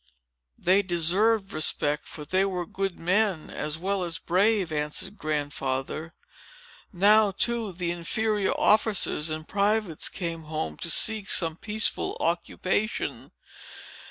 "They deserved respect, for they were good men, as well as brave," answered Grandfather. "Now, too, the inferior officers and privates came home, to seek some peaceful occupation.